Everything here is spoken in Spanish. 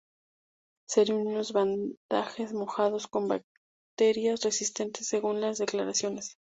Serían unos vendajes mojados con bacterias resistentes, según las declaraciones.